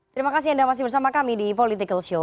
terima kasih anda masih bersama kami di political show